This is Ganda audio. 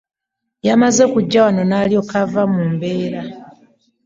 Yamaze kujja wano n'alyoka ava mu mbeera.